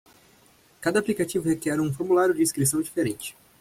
Cada aplicativo requer um formulário de inscrição diferente.